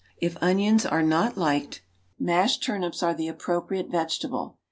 If onions are not liked, mashed turnips are the appropriate vegetable.